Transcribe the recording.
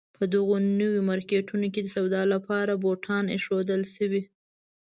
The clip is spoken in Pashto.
په دغو نویو مارکېټونو کې د سودا لپاره بوتان اېښودل شوي.